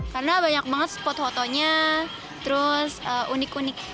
karena banyak banget spot fotonya terus unik unik